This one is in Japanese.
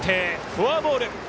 フォアボール。